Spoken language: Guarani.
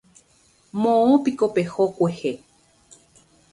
Moõpiko peho kuehe.